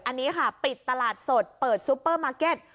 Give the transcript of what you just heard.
อันนี้ค่ะปิดตลาดสดเปิดซูเปอร์มาร์เก็ต